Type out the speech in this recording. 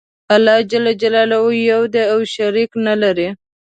الله ج یو دی او شریک نلری.